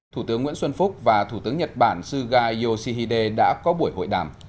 thủ tướng nguyễn xuân phúc và thủ tướng nhật bản suga yoshihide đã có buổi hội đàm